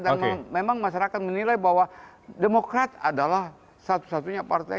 dan memang masyarakat menilai bahwa demokrat adalah satu satunya partai